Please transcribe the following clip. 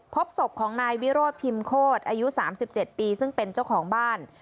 พบศพของนายวิโรธพิมพ์โคตรอายุ๓๗ปีซึ่งเป็นเจ้าของบ้าน